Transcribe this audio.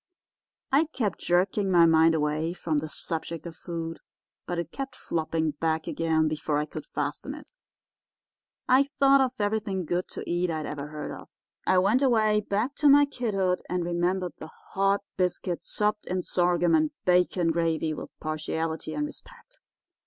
I kept jerking my mind away from the subject of food, but it kept flopping back again before I could fasten it. I thought of everything good to eat I had ever heard of. I went away back to my kidhood and remembered the hot biscuit sopped in sorghum and bacon gravy with partiality and respect.